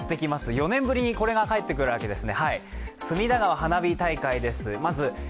４年ぶりにこれが帰ってくるわけです。